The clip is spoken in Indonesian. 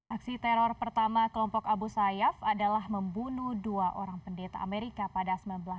aksi teror pertama kelompok abu sayyaf adalah membunuh dua orang pendeta amerika pada seribu sembilan ratus delapan puluh